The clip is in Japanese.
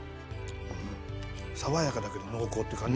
爽やかだけど濃厚って感じ。